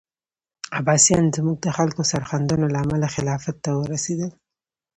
عباسیان زموږ د خلکو سرښندنو له امله خلافت ته ورسېدل.